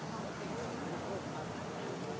โปรดติดตามต่อไป